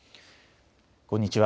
こんにちは。